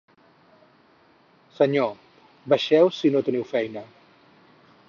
Senyor, baixeu si no teniu feina!